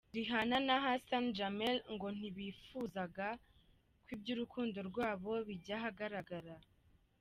Rihanna na Hassan Jameel ngo ntibifuzaga ko iby’urukundo rwabo bijya ahagaragara.